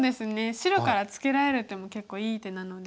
白からツケられる手も結構いい手なので。